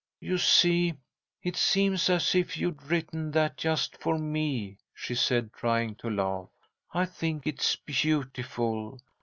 "You see, it seems as if you'd written that just for me," she said, trying to laugh. "I think it's beautiful!